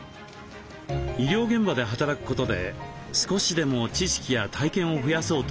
医療現場で働くことで少しでも知識や体験を増やそうとしているのです。